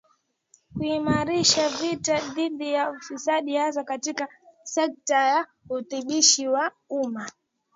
Kuimarisha vita dhidi ya ufisadi hasa katika sekta ya utumishi wa umma